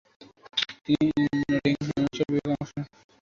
তিনি নটিংহ্যামশায়ারের বিপক্ষে অংশ নিয়েছিলেন।